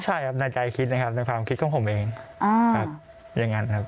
ใช่ครับในใจคิดนะครับในความคิดของผมเองครับอย่างนั้นครับ